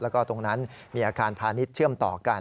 แล้วก็ตรงนั้นมีอาคารพาณิชย์เชื่อมต่อกัน